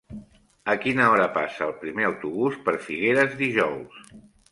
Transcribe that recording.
A quina hora passa el primer autobús per Figueres dijous?